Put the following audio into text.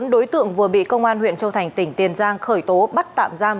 bốn đối tượng vừa bị công an huyện châu thành tỉnh tiền giang khởi tố bắt tạm giam